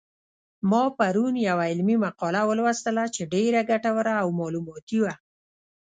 ما پرون یوه علمي مقاله ولوستله چې ډېره ګټوره او معلوماتي وه